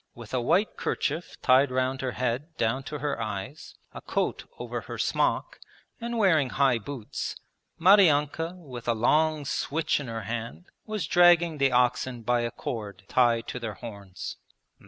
With a white kerchief tied round her head down to her eyes, a coat over her smock, and wearing high boots, Maryanka with a long switch in her hand was dragging the oxen by a cord tied to their horns.